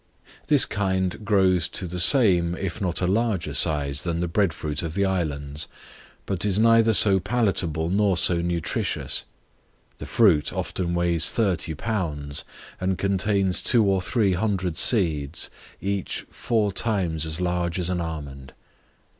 This kind grows to the same, if not a larger size than the bread fruit of the islands, but is neither so palatable nor so nutritious; the fruit often weighs thirty pounds, and contains two or three hundred seeds, each four times as large as an almond.